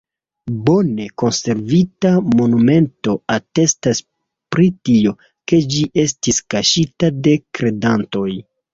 Bone konservita monumento atestas pri tio, ke ĝi estis kaŝita de kredantoj.